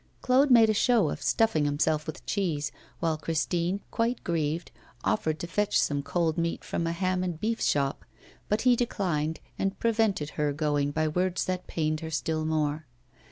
Claude made a show of stuffing himself with cheese, while Christine, quite grieved, offered to fetch some cold meat from a ham and beef shop; but he declined, and prevented her going by words that pained her still more.